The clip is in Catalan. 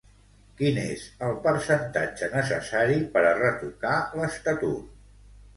Quin és el percentatge necessari per a retocar l'Estatut?